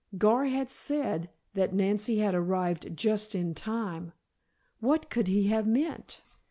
Gar had said that Nancy had arrived "just in time." What could he have meant?